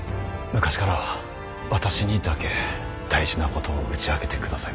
昔から私にだけ大事なことを打ち明けてくださいます。